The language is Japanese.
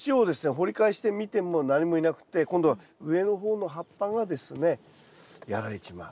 掘り返してみても何もいなくて今度は上の方の葉っぱがですねやられちまう。